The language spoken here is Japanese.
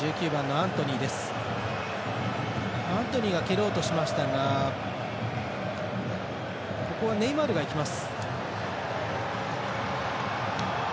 アントニーが蹴ろうとしましたがネイマールが行きます。